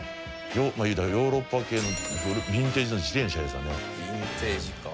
言うたらヨーロッパ系のヴィンテージの自転車ですわね。